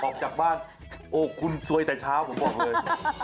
ออกจากบ้านโอ้คุณซวยแต่เช้าผมบอกเลย